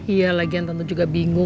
ya lagi yang tante juga bingung